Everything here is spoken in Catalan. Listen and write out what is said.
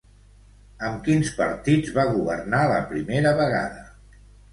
Amb quins partits va governar la primera vegada?